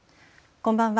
こんばんは。